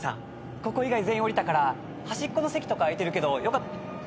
ここ以外全員降りたから端っこの席とか空いてるけどよか。